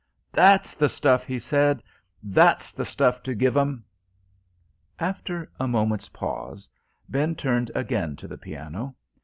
"That's the stuff!" he said. "That's the stuff to give 'em!" After a moment's pause, Ben turned again to the piano.